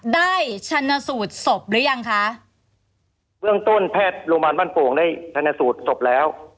ชันสูตรศพหรือยังคะเบื้องต้นแพทย์โรงพยาบาลบ้านโป่งได้ชนสูตรศพแล้ว